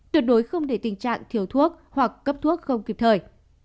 tuyệt đối không để tình trạng thiếu thuốc hoặc cấp thuốc không kịp thời